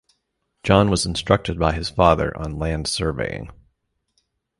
John was instructed by his father on land surveying.